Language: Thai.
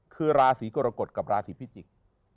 คือราศีกรกฎกับราศีพิจิกษ์